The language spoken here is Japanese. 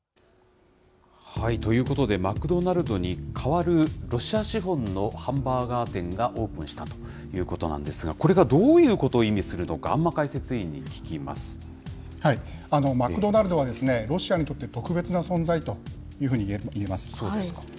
ということで、マクドナルドに代わるロシア資本のハンバーガー店がオープンしたということなんですが、これがどういうことを意味するのか、マクドナルドは、ロシアにとって特別な存在というふうにいえます。